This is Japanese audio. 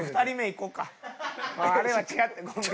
あれは違った。